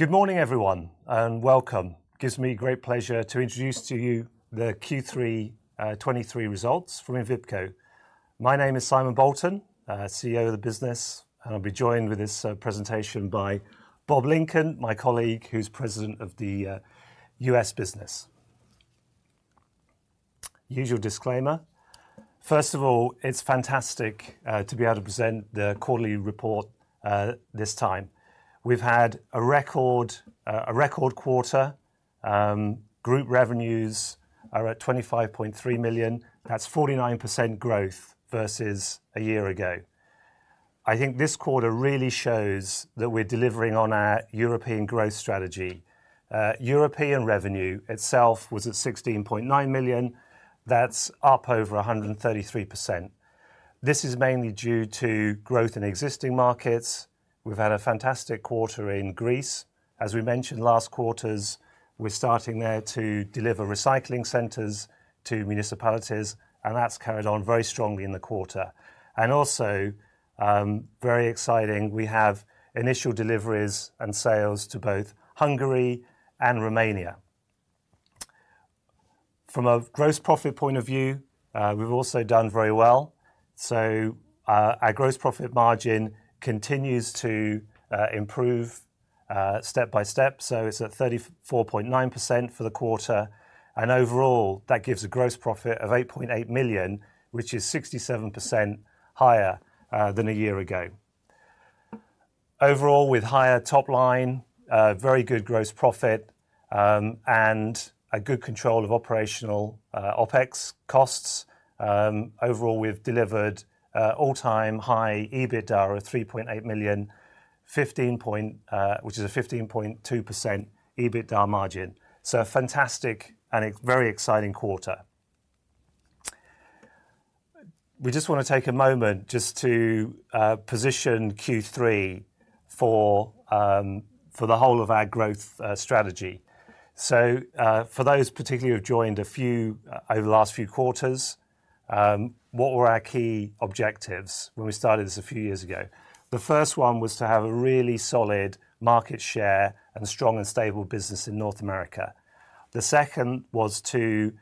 Good morning, everyone, and welcome. It gives me great pleasure to introduce to you the Q3 2023 results from Envipco. My name is Simon Bolton, CEO of the business, and I'll be joined with this presentation by Bob Lincoln, my colleague, who's president of the U.S. business. Usual disclaimer. First of all, it's fantastic to be able to present the quarterly report this time. We've had a record, a record quarter. Group revenues are at 25.3 million. That's 49% growth versus a year ago. I think this quarter really shows that we're delivering on our European growth strategy. European revenue itself was at 16.9 million. That's up over 133%. This is mainly due to growth in existing markets. We've had a fantastic quarter in Greece. As we mentioned last quarters, we're starting there to deliver recycling centers to municipalities, and that's carried on very strongly in the quarter. Also, very exciting, we have initial deliveries and sales to both Hungary and Romania. From a gross profit point of view, we've also done very well. Our gross profit margin continues to improve step by step, so it's at 34.9% for the quarter, and overall, that gives a gross profit of 8.8 million, which is 67% higher than a year ago. Overall, with higher top line, very good gross profit, and a good control of operational OpEx costs, overall, we've delivered all-time high EBITDA of 3.8 million, which is a 15.2% EBITDA margin. So a fantastic and very exciting quarter. We just wanna take a moment just to position Q3 for the whole of our growth strategy. So, for those particularly who have joined a few over the last few quarters, what were our key objectives when we started this a few years ago? The first one was to have a really solid market share and a strong and stable business in North America. The second was to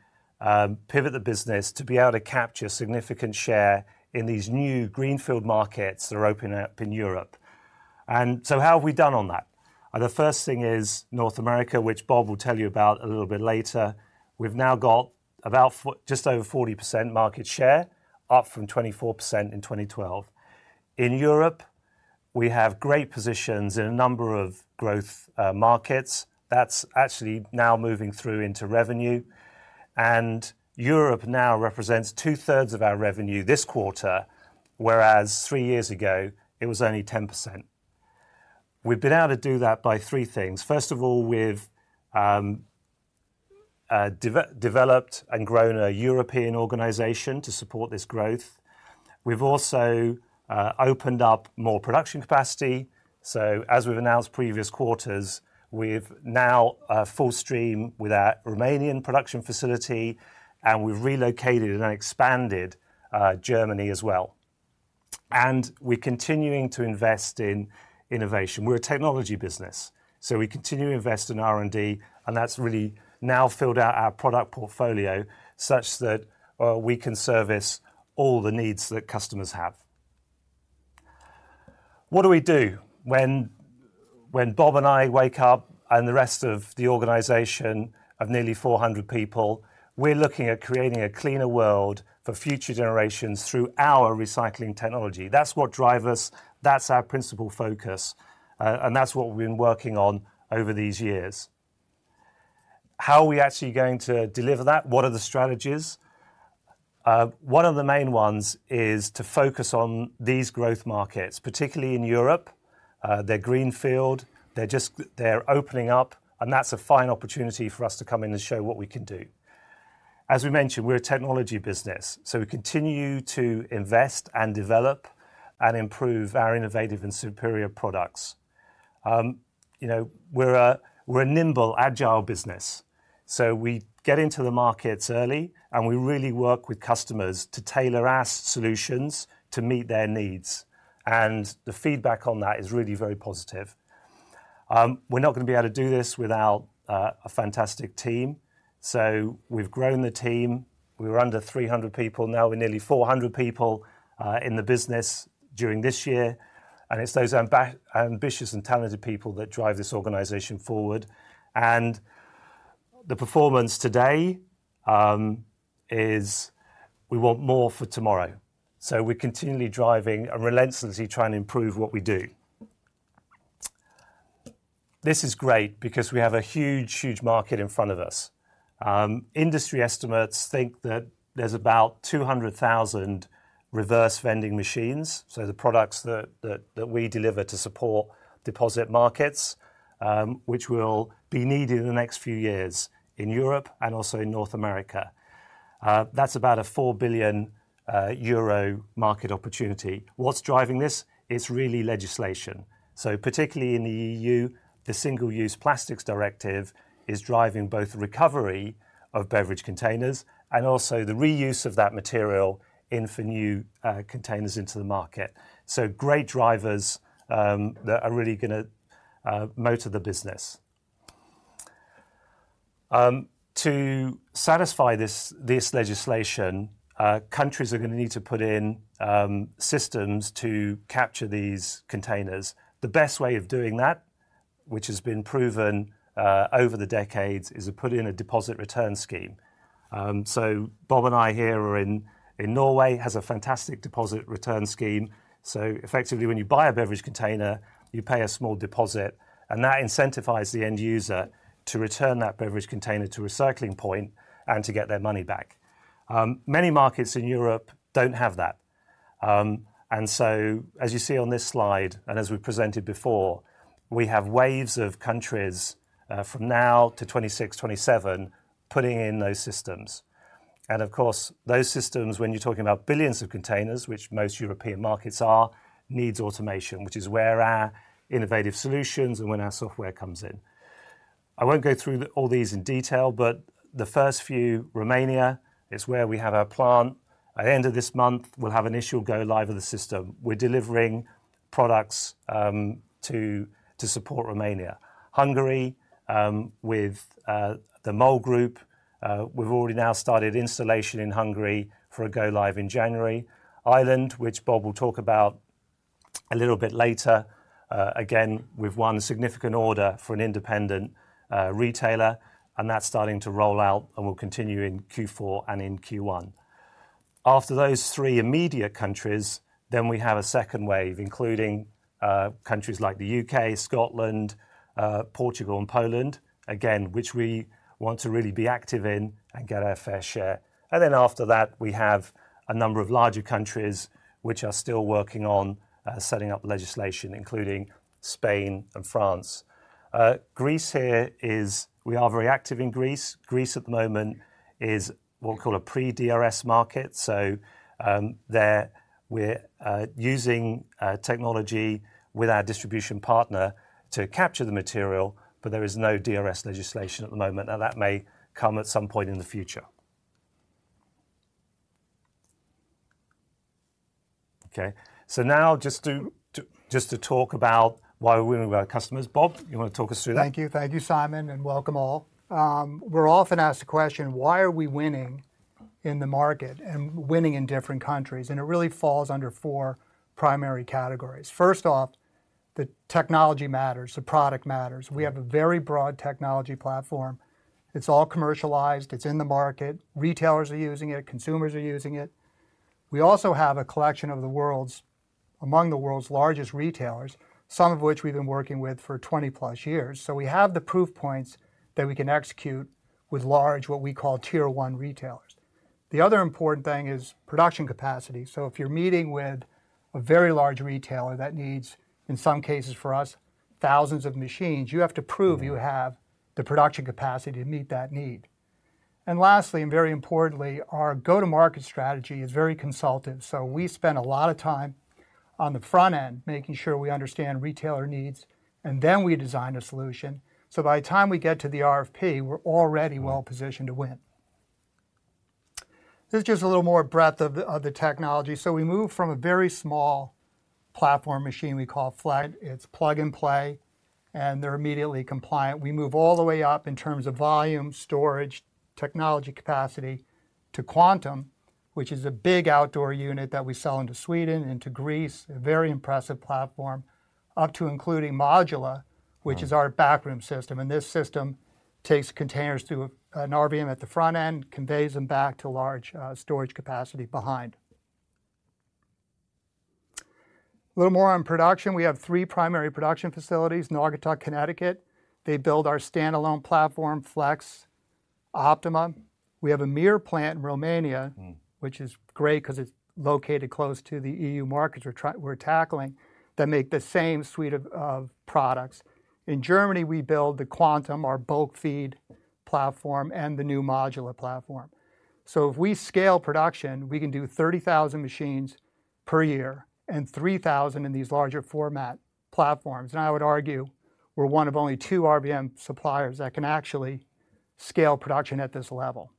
pivot the business to be able to capture a significant share in these new greenfield markets that are opening up in Europe. And so how have we done on that? And the first thing is North America, which Bob will tell you about a little bit later. We've now got about just over 40% market share, up from 24% in 2012. In Europe, we have great positions in a number of growth markets. That's actually now moving through into revenue, and Europe now represents two-thirds of our revenue this quarter, whereas three years ago, it was only 10%. We've been able to do that by three things. First of all, we've developed and grown a European organization to support this growth. We've also opened up more production capacity, so as we've announced previous quarters, we've now a full stream with our Romanian production facility, and we've relocated and expanded Germany as well. We're continuing to invest in innovation. We're a technology business, so we continue to invest in R&D, and that's really now filled out our product portfolio such that we can service all the needs that customers have. What do we do when Bob and I wake up, and the rest of the organization of nearly 400 people? We're looking at creating a cleaner world for future generations through our recycling technology. That's what drives us, that's our principal focus, and that's what we've been working on over these years. How are we actually going to deliver that? What are the strategies? One of the main ones is to focus on these growth markets, particularly in Europe. They're greenfield, they're just... They're opening up, and that's a fine opportunity for us to come in and show what we can do. As we mentioned, we're a technology business, so we continue to invest and develop and improve our innovative and superior products. You know, we're a, we're a nimble, agile business, so we get into the markets early, and we really work with customers to tailor our solutions to meet their needs, and the feedback on that is really very positive. We're not gonna be able to do this without a fantastic team, so we've grown the team. We were under 300 people, now we're nearly 400 people in the business during this year, and it's those ambitious and talented people that drive this organization forward. The performance today is we want more for tomorrow, so we're continually driving and relentlessly trying to improve what we do. This is great because we have a huge, huge market in front of us. Industry estimates think that there's about 200,000 reverse vending machines, so the products that we deliver to support deposit markets, which will be needed in the next few years in Europe and also in North America. That's about a 4 billion euro market opportunity. What's driving this? It's really legislation. So particularly in the EU, the Single-Use Plastics Directive is driving both recovery of beverage containers and also the reuse of that material in for new containers into the market. So great drivers that are really gonna motor the business.... To satisfy this legislation, countries are going to need to put in systems to capture these containers. The best way of doing that, which has been proven over the decades, is to put in a deposit return scheme. So Bob and I here are in Norway has a fantastic deposit return scheme. So effectively, when you buy a beverage container, you pay a small deposit, and that incentivizes the end user to return that beverage container to a recycling point and to get their money back. Many markets in Europe don't have that. And so as you see on this slide, and as we presented before, we have waves of countries from now to 2026, 2027, putting in those systems. And of course, those systems, when you're talking about billions of containers, which most European markets are, needs automation, which is where our innovative solutions and when our software comes in. I won't go through all these in detail, but the first few, Romania, is where we have our plant. At the end of this month, we'll have an initial go live of the system. We're delivering products to support Romania. Hungary, with the MOL Group, we've already now started installation in Hungary for a go live in January. Ireland, which Bob will talk about a little bit later, again, we've won a significant order for an independent retailer, and that's starting to roll out and will continue in Q4 and in Q1. After those three immediate countries, then we have a second wave, including countries like the U.K., Scotland, Portugal and Poland, again, which we want to really be active in and get our fair share. And then after that, we have a number of larger countries which are still working on setting up legislation, including Spain and France. Greece. Here we are very active in Greece. Greece at the moment is what we call a pre-DRS market. So, there we're using technology with our distribution partner to capture the material, but there is no DRS legislation at the moment, now that may come at some point in the future. Okay, so now just to talk about why we're winning with our customers. Bob, you want to talk us through that? Thank you. Thank you, Simon, and welcome all. We're often asked the question, why are we winning in the market and winning in different countries? And it really falls under four primary categories. First off, the technology matters, the product matters. We have a very broad technology platform. It's all commercialized. It's in the market. Retailers are using it. Consumers are using it. We also have a collection of the world's, among the world's largest retailers, some of which we've been working with for 20+ years. So we have the proof points that we can execute with large, what we call Tier 1 retailers. The other important thing is production capacity. So if you're meeting with a very large retailer that needs, in some cases for us, thousands of machines, you have to prove you have the production capacity to meet that need. And lastly, and very importantly, our go-to-market strategy is very consultative. So we spend a lot of time on the front end, making sure we understand retailer needs, and then we design a solution. So by the time we get to the RFP, we're already well-positioned to win. This is just a little more breadth of the technology. So we move from a very small platform machine we call Flex. It's plug and play, and they're immediately compliant. We move all the way up in terms of volume, storage, technology capacity to Quantum, which is a big outdoor unit that we sell into Sweden and to Greece, a very impressive platform, up to including Modula, which is our backroom system. And this system takes containers through an RVM at the front end, conveys them back to large storage capacity behind. A little more on production. We have three primary production facilities, Naugatuck, Connecticut. They build our standalone platform, Flex, Optima. We have a mirror plant in Romania, which is great because it's located close to the EU markets we're tackling, that make the same suite of products. In Germany, we build the Quantum, our bulk feed platform, and the new Modula platform. So if we scale production, we can do 30,000 machines per year and 3,000 in these larger format platforms. And I would argue we're one of only two RVM suppliers that can actually scale production at this level.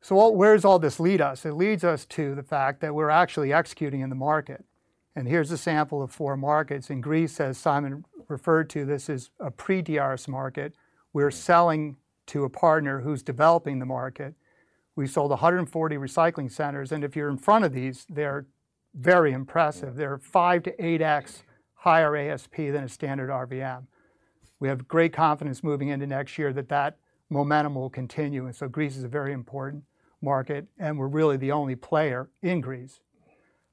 So where does all this lead us? It leads us to the fact that we're actually executing in the market, and here's a sample of four markets. In Greece, as Simon referred to, this is a pre-DRS market. We're selling to a partner who's developing the market. We sold 140 recycling centers, and if you're in front of these, they're very impressive. They're 5x-8x higher ASP than a standard RVM. We have great confidence moving into next year that that momentum will continue, and so Greece is a very important market, and we're really the only player in Greece.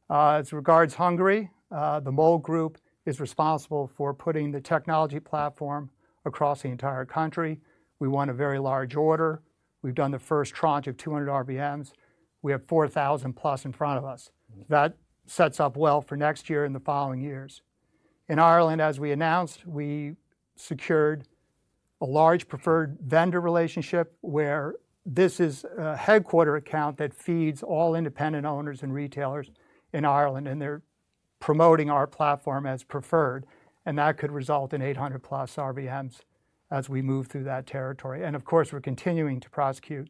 As regards Hungary, the MOL Group is responsible for putting the technology platform across the entire country. We won a very large order. We've done the first tranche of 200 RVMs. We have 4,000+ in front of us. That sets up well for next year and the following years. In Ireland, as we announced, we secured a large preferred vendor relationship where this is a headquarters account that feeds all independent owners and retailers in Ireland, and they're promoting our platform as preferred, and that could result in 800+ RVMs as we move through that territory. And of course, we're continuing to prosecute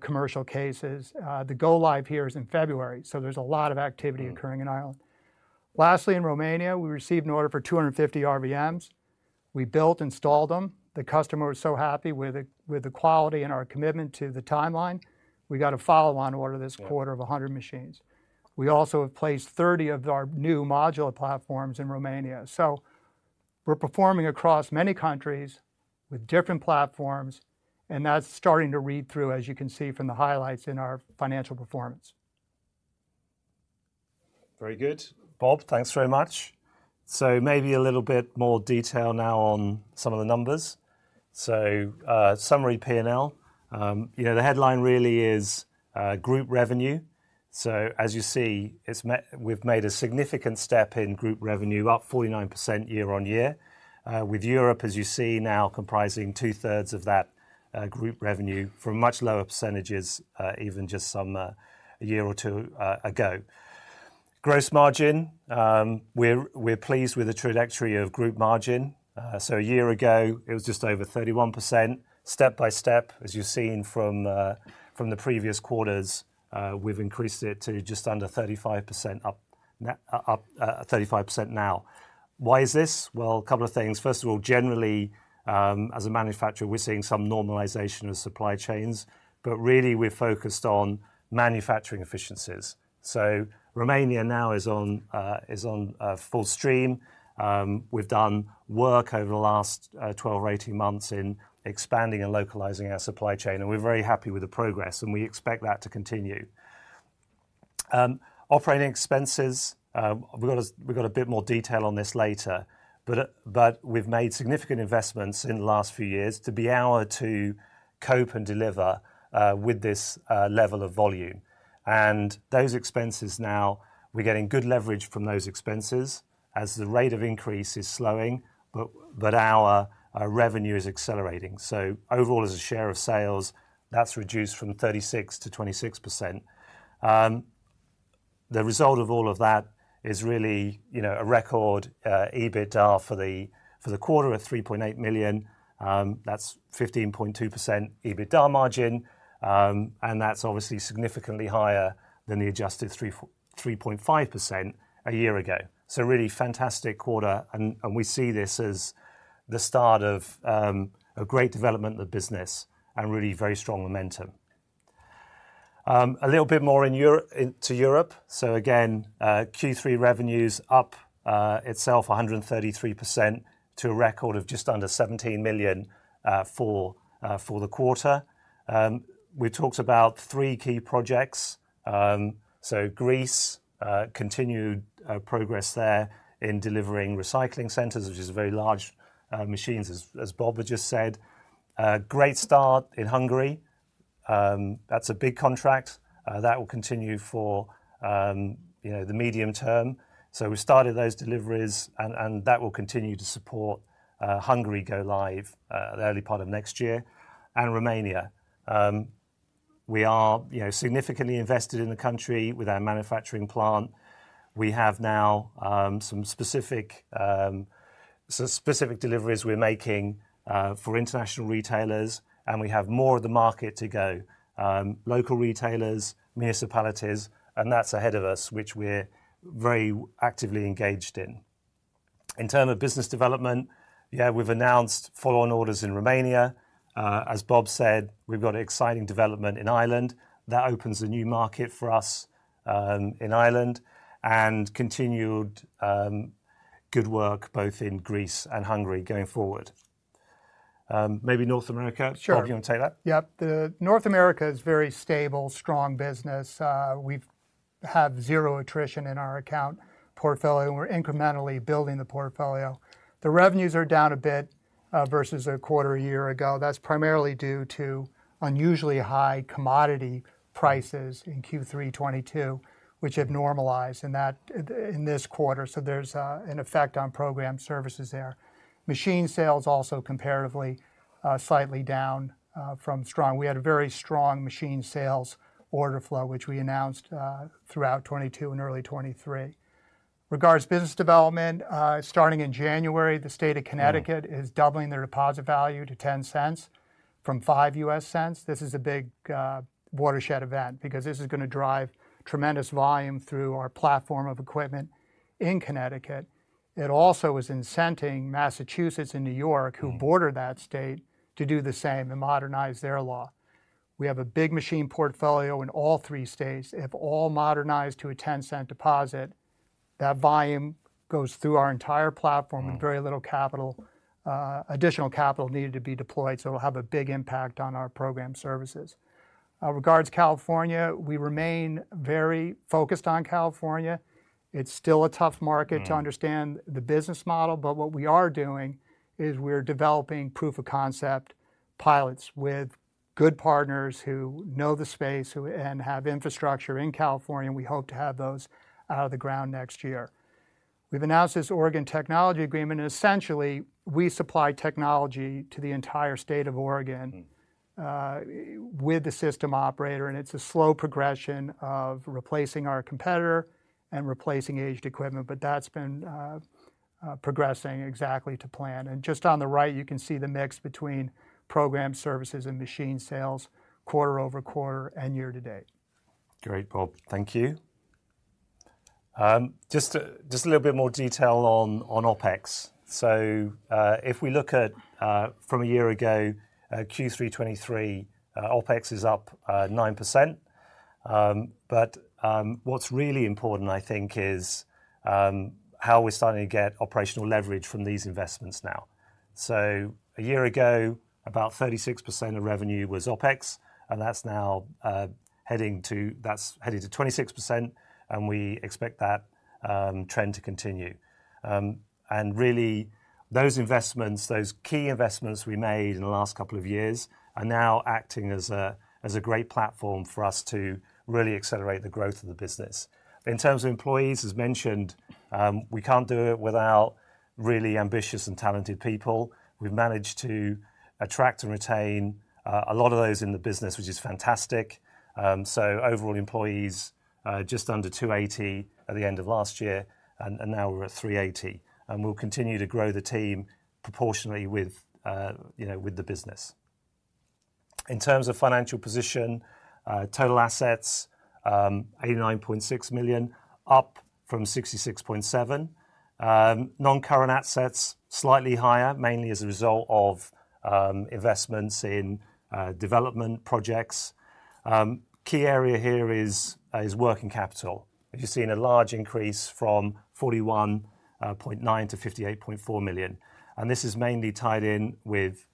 commercial cases. The go-live here is in February, so there's a lot of activity occurring in Ireland. Lastly, in Romania, we received an order for 250 RVMs. We built, installed them. The customer was so happy with the quality and our commitment to the timeline, we got a follow-on order this quarter- Yeah... of 100 machines. We also have placed 30 of our new Modula platforms in Romania. So we're performing across many countries with different platforms, and that's starting to read through, as you can see from the highlights in our financial performance. Very good, Bob. Thanks very much. So maybe a little bit more detail now on some of the numbers. So, summary P&L. You know, the headline really is, group revenue. So as you see, we've made a significant step in group revenue, up 49% year-on-year. With Europe, as you see now, comprising two-thirds of that group revenue from much lower percentages, even just some a year or two ago. Gross margin, we're pleased with the trajectory of group margin. So a year ago it was just over 31%. Step by step, as you've seen from the previous quarters, we've increased it to just under 35% now. Why is this? Well, a couple of things. First of all, generally, as a manufacturer, we're seeing some normalization of supply chains, but really we're focused on manufacturing efficiencies. So Romania now is on full stream. We've done work over the last 12 or 18 months in expanding and localizing our supply chain, and we're very happy with the progress, and we expect that to continue. Operating expenses, we've got a bit more detail on this later, but we've made significant investments in the last few years to be able to cope and deliver with this level of volume. And those expenses now, we're getting good leverage from those expenses as the rate of increase is slowing, but our revenue is accelerating. So overall, as a share of sales, that's reduced from 36%-26%. The result of all of that is really, you know, a record EBITDA for the quarter of 3.8 million. That's 15.2% EBITDA margin. And that's obviously significantly higher than the adjusted 3.5% a year ago. So a really fantastic quarter, and we see this as the start of a great development of the business and really very strong momentum. A little bit more in Europe, into Europe. So again, Q3 revenue's up itself 133% to a record of just under 17 million for the quarter. We talked about three key projects. So Greece continued progress there in delivering recycling centers, which is very large machines, as Bob has just said. Great start in Hungary. That's a big contract that will continue for, you know, the medium term. So we started those deliveries, and that will continue to support Hungary go live, the early part of next year. And Romania, we are, you know, significantly invested in the country with our manufacturing plant. We have now some specific deliveries we're making for international retailers, and we have more of the market to go. Local retailers, municipalities, and that's ahead of us, which we're very actively engaged in. In term of business development, yeah, we've announced follow-on orders in Romania. As Bob said, we've got exciting development in Ireland. That opens a new market for us in Ireland, and continued good work both in Greece and Hungary going forward. Maybe North America. Sure. Bob, you want to take that? Yep. North America is a very stable, strong business. We've have zero attrition in our account portfolio, and we're incrementally building the portfolio. The revenues are down a bit versus a quarter a year ago. That's primarily due to unusually high commodity prices in Q3 2022, which have normalized in this quarter, so there's an effect on program services there. Machine sales also comparatively slightly down from strong. We had a very strong machine sales order flow, which we announced throughout 2022 and early 2023. Regarding business development, starting in January, the state of Connecticutis doubling their deposit value to $0.10 from $0.05. This is a big watershed event because this is gonna drive tremendous volume through our platform of equipment in Connecticut. It also is incenting Massachusetts and New York- Mm... who border that state, to do the same and modernize their law. We have a big machine portfolio in all three states. If all modernized to a $0.10 deposit, that volume goes through our entire platform- Mm... with very little capital, additional capital needed to be deployed, so it'll have a big impact on our program services. Regards California, we remain very focused on California. It's still a tough market- Mm... to understand the business model, but what we are doing is we're developing proof of concept pilots with good partners who know the space, and have infrastructure in California, and we hope to have those out of the ground next year. We've announced this Oregon technology agreement, and essentially, we supply technology to the entire state of Oregon- Mm... with the system operator, and it's a slow progression of replacing our competitor and replacing aged equipment, but that's been progressing exactly to plan. And just on the right, you can see the mix between program services and machine sales, quarter-over-quarter and year to date. Great, Bob. Thank you. Just a little bit more detail on OpEx. So, if we look at from a year ago, Q3 2023, OpEx is up 9%. But what's really important, I think, is how we're starting to get operational leverage from these investments now. So a year ago, about 36% of revenue was OpEx, and that's now heading to—that's headed to 26%, and we expect that trend to continue. And really, those investments, those key investments we made in the last couple of years, are now acting as a great platform for us to really accelerate the growth of the business. In terms of employees, as mentioned, we can't do it without really ambitious and talented people. We've managed to attract and retain a lot of those in the business, which is fantastic. So overall employees just under 280 at the end of last year, and now we're at 380, and we'll continue to grow the team proportionally with, you know, with the business. In terms of financial position, total assets 89.6 million, up from 66.7 million. Non-current assets slightly higher, mainly as a result of investments in development projects. Key area here is working capital. As you've seen, a large increase from 41.9 million to 58.4 million, and this is mainly tied in with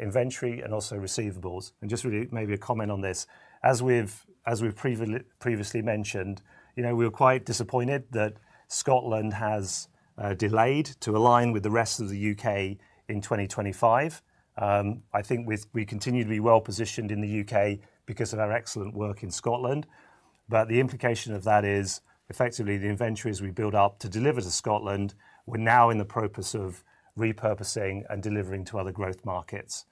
inventory and also receivables. And just really maybe a comment on this. As we've previously mentioned, you know, we were quite disappointed that Scotland has delayed to align with the rest of the U.K. in 2025. I think we continue to be well-positioned in the U.K. because of our excellent work in Scotland. But the implication of that is, effectively, the inventories we build up to deliver to Scotland, we're now in the process of repurposing and delivering to other growth markets.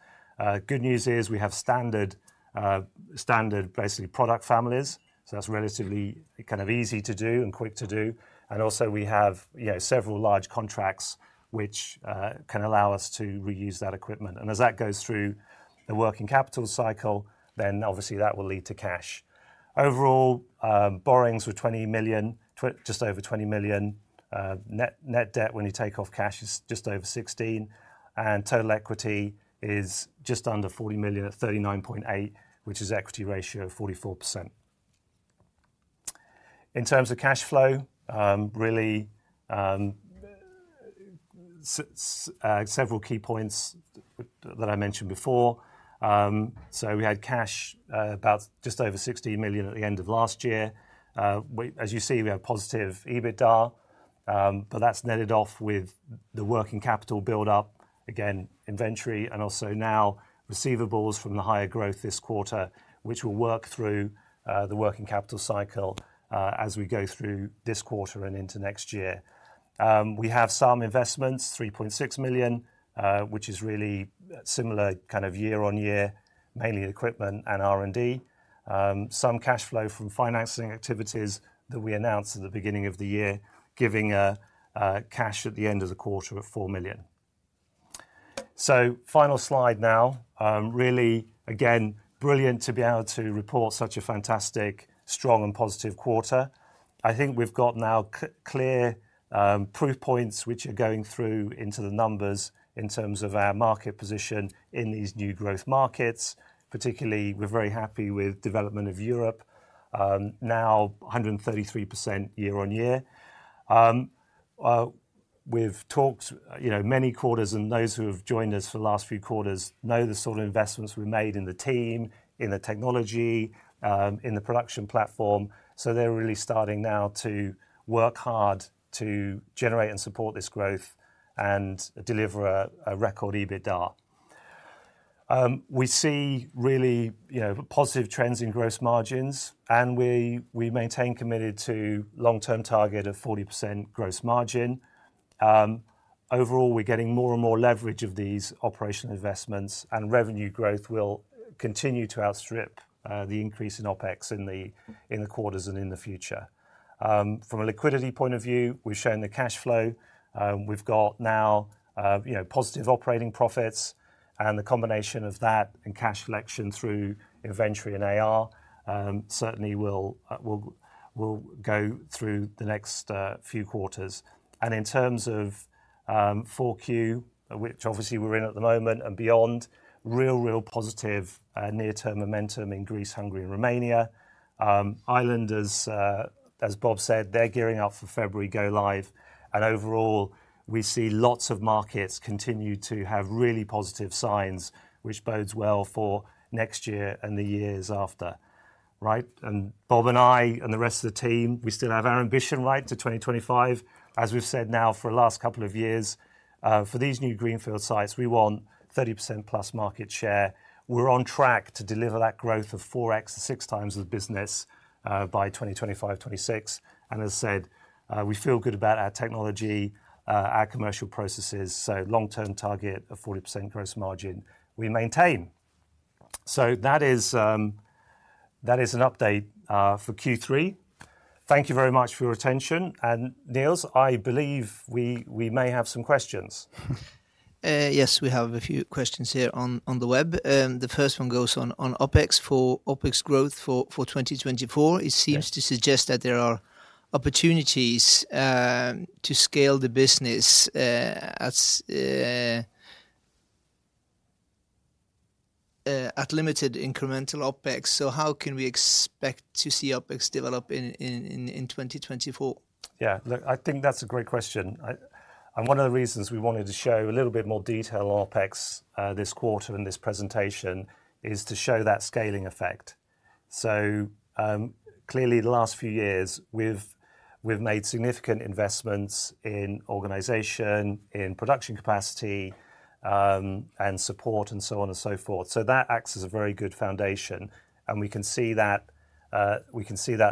Good news is we have standard, basically product families, so that's relatively kind of easy to do and quick to do. And also we have, you know, several large contracts which can allow us to reuse that equipment. And as that goes through the working capital cycle, then obviously that will lead to cash. Overall, borrowings were 20 million, just over 20 million. Net, net debt, when you take off cash, is just over 16 million, and total equity is just under 40 million at 39.8 million, which is equity ratio of 44%. In terms of cash flow, really, several key points that I mentioned before. So we had cash, about just over 60 million at the end of last year. As you see, we have positive EBITDA, but that's netted off with the working capital build-up. Again, inventory and also now receivables from the higher growth this quarter, which will work through, the working capital cycle, as we go through this quarter and into next year. We have some investments, 3.6 million, which is really similar kind of year-on-year, mainly equipment and R&D. Some cash flow from financing activities that we announced at the beginning of the year, giving a cash at the end of the quarter of 4 million. So final slide now. Really, again, brilliant to be able to report such a fantastic, strong, and positive quarter. I think we've got now clear proof points which are going through into the numbers in terms of our market position in these new growth markets. Particularly, we're very happy with development of Europe, now 133% year-on-year. We've talked, you know, many quarters, and those who have joined us for the last few quarters know the sort of investments we made in the team, in the technology, in the production platform. So they're really starting now to work hard to generate and support this growth and deliver a record EBITDA. We see really, you know, positive trends in gross margins, and we maintain committed to long-term target of 40% gross margin. Overall, we're getting more and more leverage of these operational investments, and revenue growth will continue to outstrip the increase in OpEx in the quarters and in the future. From a liquidity point of view, we've shown the cash flow. We've got now, you know, positive operating profits, and the combination of that and cash collection through inventory and AR certainly will go through the next few quarters. In terms of Q4, which obviously we're in at the moment and beyond, real, real positive near-term momentum in Greece, Hungary, and Romania. Ireland, as Bob said, they're gearing up for February go-live. Overall, we see lots of markets continue to have really positive signs, which bodes well for next year and the years after, right? Bob and I and the rest of the team, we still have our ambition, right, to 2025. As we've said now for the last couple of years, for these new greenfield sites, we want 30%+ market share. We're on track to deliver that growth of 4x, six times the business by 2025-2026. As I said, we feel good about our technology, our commercial processes, so long-term target of 40% gross margin we maintain. That is, that is an update for Q3. Thank you very much for your attention, and, Nils, I believe we, we may have some questions. Yes, we have a few questions here on the web. The first one goes on OpEx for OpEx growth for 2024. Yes. It seems to suggest that there are opportunities to scale the business at limited incremental OpEx. So how can we expect to see OpEx develop in 2024? Yeah, look, I think that's a great question. And one of the reasons we wanted to show a little bit more detail on OpEx this quarter in this presentation is to show that scaling effect. So, clearly, the last few years, we've made significant investments in organization, in production capacity, and support, and so on and so forth. So that acts as a very good foundation, and we can see that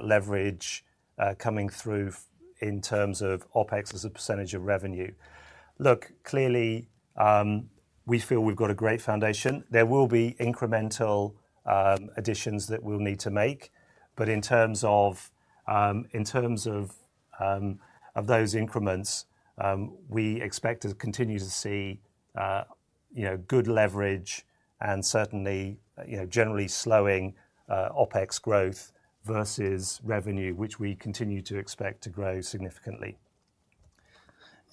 leverage coming through in terms of OpEx as a percentage of revenue. Look, clearly, we feel we've got a great foundation. There will be incremental additions that we'll need to make, but in terms of those increments, we expect to continue to see, you know, good leverage and certainly, you know, generally slowing OpEx growth versus revenue, which we continue to expect to grow significantly.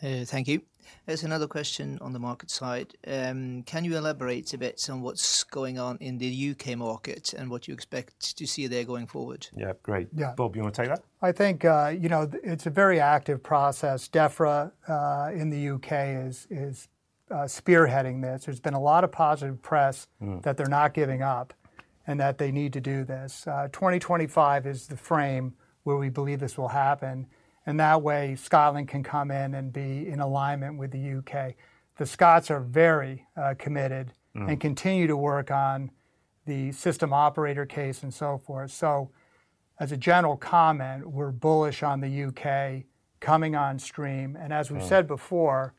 Thank you. There's another question on the market side. Can you elaborate a bit on what's going on in the U.K. market, and what you expect to see there going forward? Yeah, great. Yeah. Bob, you want to take that? I think, you know, it's a very active process. Defra, in the U.K. is spearheading this. There's been a lot of positive press- Mm... that they're not giving up and that they need to do this. 2025 is the frame where we believe this will happen, and that way Scotland can come in and be in alignment with the U.K. The Scots are very committed- Mm... and continue to work on the system operator case, and so forth. So as a general comment, we're bullish on the U.K. coming on stream, and as we've- Mm... said before,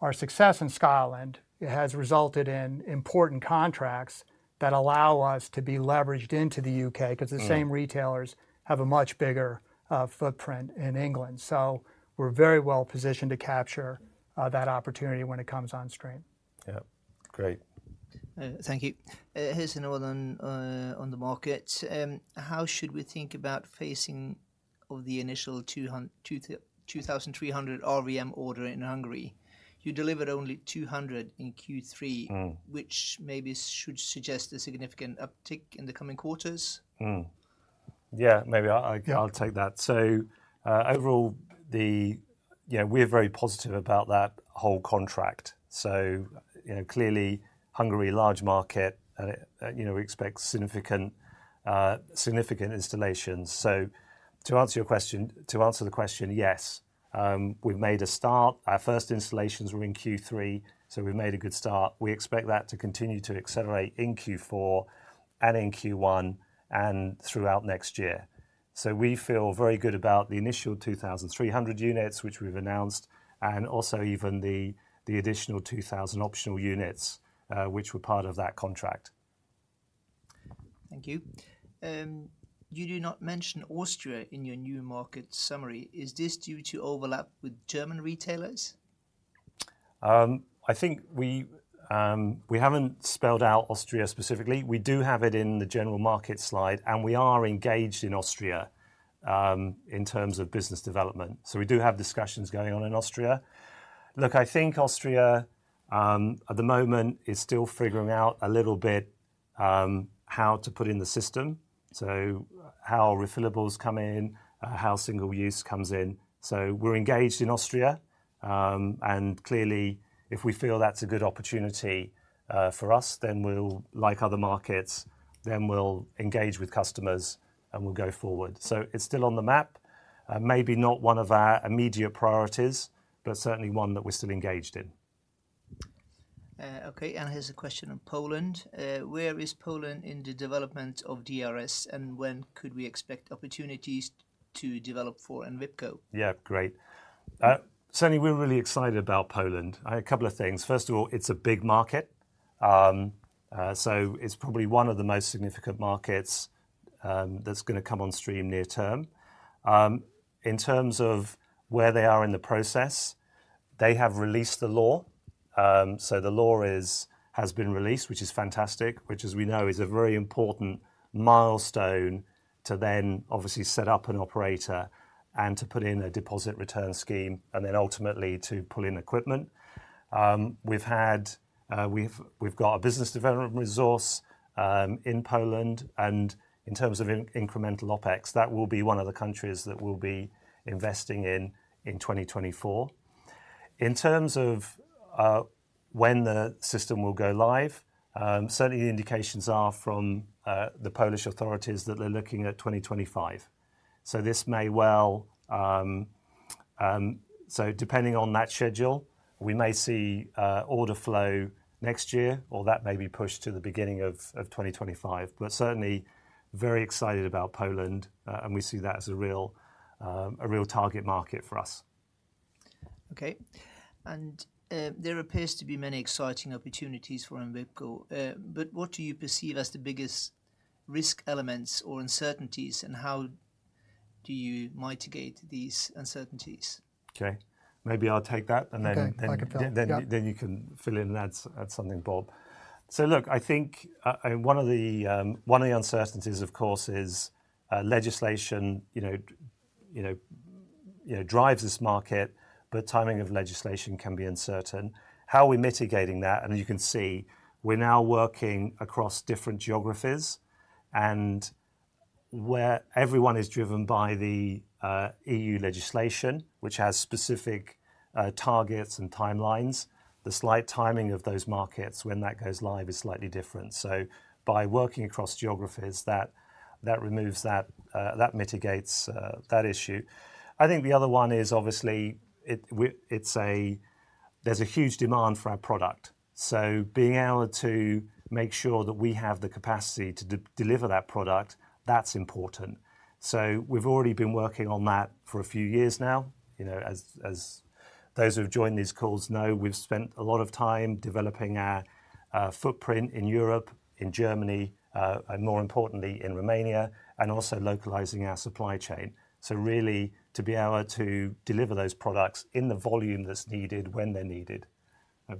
our success in Scotland, it has resulted in important contracts that allow us to be leveraged into the U.K.- Mm... 'cause the same retailers have a much bigger footprint in England. So we're very well positioned to capture that opportunity when it comes on stream. Yeah. Great. Thank you. Here's another one on the market. How should we think about phasing of the initial 2,300 RVM order in Hungary? You delivered only 200 in Q3- Mm... which maybe should suggest a significant uptick in the coming quarters. Yeah, maybe I... Yeah I'll take that. So, overall, the, you know, we're very positive about that whole contract. So, you know, clearly, Hungary, large market, you know, we expect significant, significant installations. So to answer your question, to answer the question, yes, we've made a start. Our first installations were in Q3, so we've made a good start. We expect that to continue to accelerate in Q4 and in Q1 and throughout next year. So we feel very good about the initial 2,300 units, which we've announced, and also even the, the additional 2,000 optional units, which were part of that contract. Thank you. You do not mention Austria in your new market summary. Is this due to overlap with German retailers? I think we haven't spelled out Austria specifically. We do have it in the general market slide, and we are engaged in Austria in terms of business development. So we do have discussions going on in Austria. Look, I think Austria at the moment is still figuring out a little bit how to put in the system, so how refillables come in, how single-use comes in. So we're engaged in Austria, and clearly, if we feel that's a good opportunity for us, then we'll, like other markets, engage with customers, and we'll go forward. So it's still on the map, maybe not one of our immediate priorities, but certainly one that we're still engaged in. Okay, and here's a question on Poland. Where is Poland in the development of DRS, and when could we expect opportunities to develop for Envipco? Yeah, great. Certainly, we're really excited about Poland. A couple of things. First of all, it's a big market. So it's probably one of the most significant markets, that's gonna come on stream near term. In terms of where they are in the process, they have released the law. So the law is, has been released, which is fantastic, which, as we know, is a very important milestone to then obviously set up an operator and to put in a deposit return scheme and then ultimately to pull in equipment. We've got a business development resource, in Poland, and in terms of incremental OpEx, that will be one of the countries that we'll be investing in in 2024. In terms of when the system will go live, certainly the indications are from the Polish authorities that they're looking at 2025. So this may well. So depending on that schedule, we may see order flow next year, or that may be pushed to the beginning of 2025. But certainly, very excited about Poland, and we see that as a real, a real target market for us. Okay. And, there appears to be many exciting opportunities for Envipco. But what do you perceive as the biggest risk elements or uncertainties, and how do you mitigate these uncertainties? Okay, maybe I'll take that, and then- Okay, I can tell, yeah. Then you can fill in, add something, Bob. So look, I think, I, one of the, one of the uncertainties, of course, is, legislation, you know, you know, drives this market, but timing of legislation can be uncertain. How are we mitigating that? And as you can see, we're now working across different geographies, and where everyone is driven by the, EU legislation, which has specific, targets and timelines, the slight timing of those markets when that goes live is slightly different. So by working across geographies, that, that removes that, that mitigates, that issue. I think the other one is obviously, it's a, there's a huge demand for our product, so being able to make sure that we have the capacity to deliver that product, that's important. So we've already been working on that for a few years now. You know, as those who have joined these calls know, we've spent a lot of time developing our footprint in Europe, in Germany, and more importantly, in Romania, and also localizing our supply chain. So really, to be able to deliver those products in the volume that's needed when they're needed.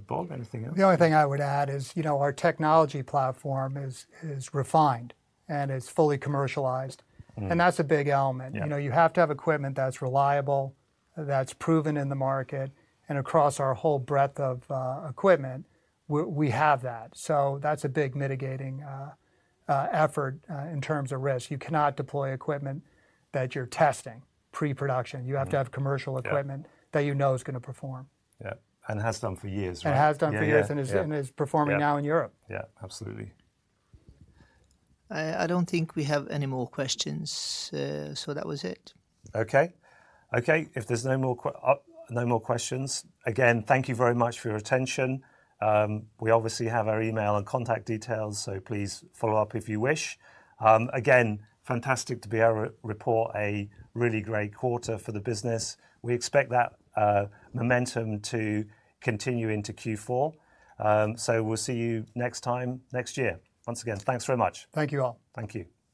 Bob, anything else? The only thing I would add is, you know, our technology platform is refined and is fully commercialized. Mm-hmm. That's a big element. Yeah. You know, you have to have equipment that's reliable, that's proven in the market, and across our whole breadth of equipment, we have that. So that's a big mitigating effort in terms of risk. You cannot deploy equipment that you're testing pre-production. Mm. You have to have commercial equipment- Yeah... that you know is gonna perform. Yeah, and has done for years, right? And has done for years. Yeah. Yeah And is performing now in Europe. Yeah. Yeah. Absolutely. I don't think we have any more questions, so that was it. Okay. Okay, if there's no more questions, again, thank you very much for your attention. We obviously have our email and contact details, so please follow up if you wish. Again, fantastic to be able to report a really great quarter for the business. We expect that momentum to continue into Q4. So we'll see you next time next year. Once again, thanks very much. Thank you, all. Thank you.